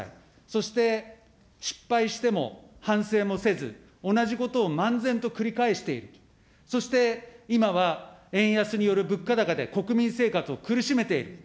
そして失敗しても反省もせず、同じことを漫然と繰り返している、そして、今は円安による物価高で国民生活を苦しめている。